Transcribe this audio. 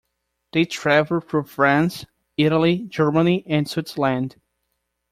They traveled through France, Italy, Germany, and Switzerland.